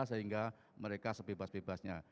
sehingga mereka sebebas bebasnya